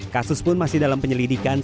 kasus pun masih dalam penyelidikan